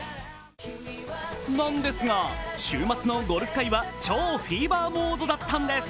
なんですが、週末のゴルフ界は超フィーバーモードだったんです。